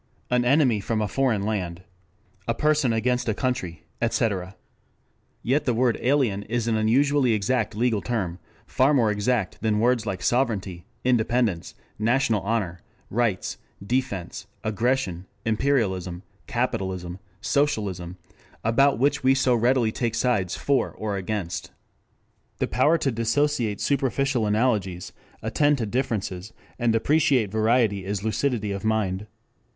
"An enemy from a foreign land." "A person against a country." etc.... Yet the word alien is an unusually exact legal term, far more exact than words like sovereignty, independence, national honor, rights, defense, aggression, imperialism, capitalism, socialism, about which we so readily take sides "for" or "against." 3 The power to dissociate superficial analogies, attend to differences and appreciate variety is lucidity of mind.